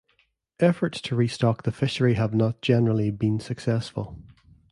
Efforts to restock the fishery have not generally been successful.